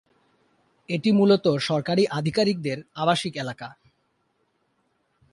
এটি মূলত সরকারি আধিকারিকদের আবাসিক এলাকা।